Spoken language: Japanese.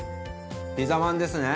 ピザまんですね！